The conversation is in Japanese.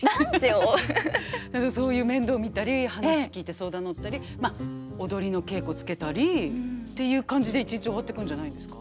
何かそういう面倒見たり話聞いて相談に乗ったりまあ踊りの稽古つけたりっていう感じで一日終わってくんじゃないんですか。